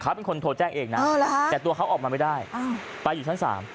เขาเป็นคนโทรแจ้งเองนะแต่ตัวเขาออกมาไม่ได้ไปอยู่ชั้น๓